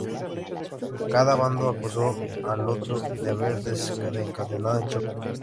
Cada bando acusó al otro de haber desencadenado el choque.